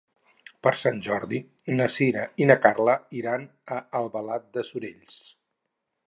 Per Sant Jordi na Sira i na Carla iran a Albalat dels Sorells.